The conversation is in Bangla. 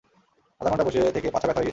আট ঘন্টা বসে থেকে পাছা ব্যাথা হয়ে গিয়েছিলো।